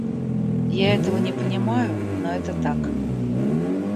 Я этого не понимаю, но это так.